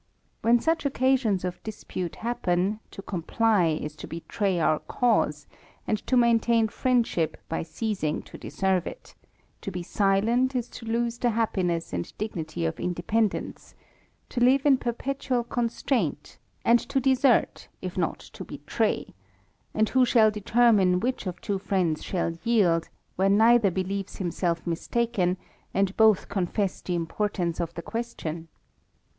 When such occasions of dispute happen, to comply is to betray our cause, and to maintain friendship by ceasing to deserve it ; to be silent is to lose the happiness and dignity of independ ence, to live in perpetual constraint, and to desert, if not to betray : and who shall determine which of two friends fihall yield, where neither believes himself mistaken, and both confess the importance of the question